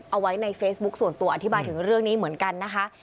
เอาไว้ในเฟซบุ๊คส่วนตัวอธิบายถึงเรื่องนี้เหมือนกันนะคะ